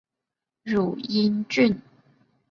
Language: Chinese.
汝阴郡。